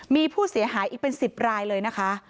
มีผู้เสียหายอีกเป็น๑๐รายเลยนะคะ